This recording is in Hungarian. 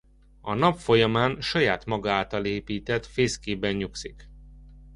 A nap folyamán saját maga által épített fészkében nyugszik.